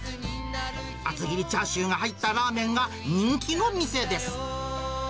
厚切りチャーシューが入ったラーメンが人気の店です。